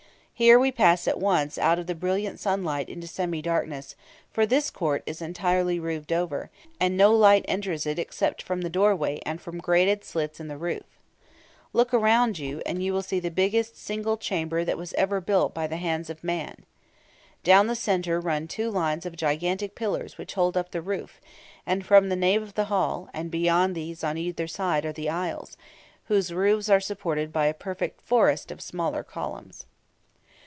Here we pass at once out of brilliant sunlight into semi darkness; for this court is entirely roofed over, and no light enters it except from the doorway and from grated slits in the roof. Look around you, and you will see the biggest single chamber that was ever built by the hands of man. Down the centre run two lines of gigantic pillars which hold up the roof, and form the nave of the hall; and beyond these on either side are the aisles, whose roofs are supported by a perfect forest of smaller columns.